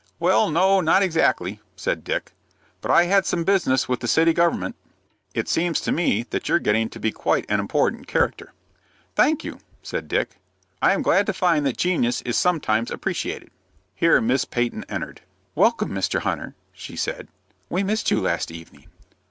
"Well, no, not exactly," said Dick, "but I had some business with the city government." "It seems to me that you're getting to be quite an important character." "Thank you," said Dick. "I am glad to find that genius is sometimes appreciated." Here Miss Peyton entered. "Welcome, Mr. Hunter," she said. "We missed you last evening."